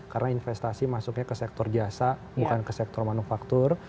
karena investasi masuknya ke sektor jasa bukan ke sektor manufaktur